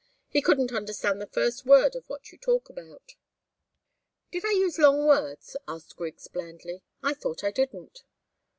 He couldn't understand the first word of what you talk about." "Did I use long words?" asked Griggs, blandly. "I thought I didn't."